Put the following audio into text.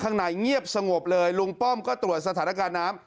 ข้างในเงียบสงบเลยลุงป้อมก็ตรวจสถานการณ์น้ำ